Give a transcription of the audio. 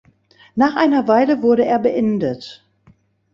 Nach einer Weile wurde er beendet.